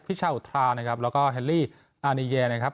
ชาอุทรานะครับแล้วก็แฮลลี่อานิเยนะครับ